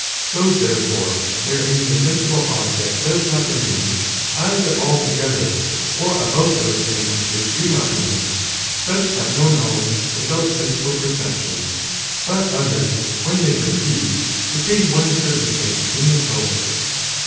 ']' Those, therefore, wherein the sensible object does not re main, either altogether or about those things which do not remain, such have no knowledge with out sensible perception, but others when they per ceive, retain one certain thing in the soul.